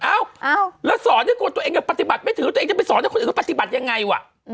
อ้าวแล้วสอนกับตัวเองกับปฏิบัติไม่ถือแล้วตัวเองจะไปสอนกับคนอื่นกับปฏิบัติยังไงวะ